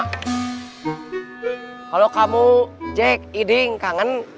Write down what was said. kalau kamu jack eding kangen